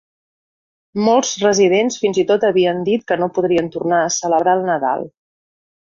Molts residents fins i tot havien dit que no podrien tornar a celebrar el Nadal.